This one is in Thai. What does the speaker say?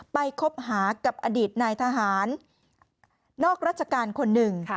คบหากับอดีตนายทหารนอกราชการคนหนึ่ง